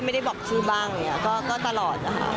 ไม่ได้บอกชื่อบ้างก็ตลอดนะคะ